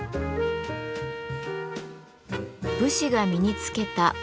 武士が身に着けた「大鎧」。